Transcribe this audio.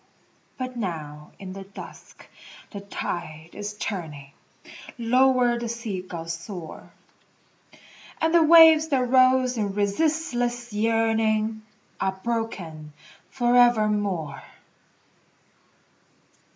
But now in the dusk the tide is turning, Lower the sea gulls soar, And the waves that rose in resistless yearning Are broken forevermore.